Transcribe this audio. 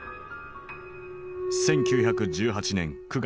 １９１８年９月。